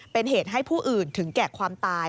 เป็นเหตุให้ผู้อื่นถึงแก่ความตาย